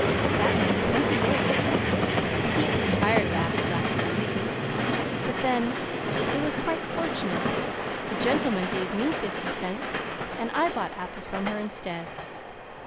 That made twenty days, and he grew tired of apples after a week; but then it was quite fortunate a gentleman gave me fifty cents and I bought apples from her instead.